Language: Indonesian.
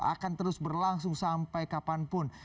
akan terus berlangsung sampai kapanpun